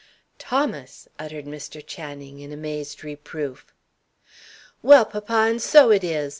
"Thomas!" uttered Mr. Channing, in amazed reproof. "Well, papa, and so it is!